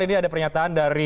ini ada pernyataan dari